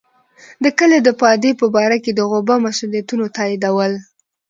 د کلي د پادې په باره کې د غوبه مسوولیتونه تاییدول.